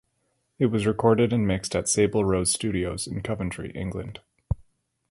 It was recorded and mixed at Sable Rose Studios in Coventry, England.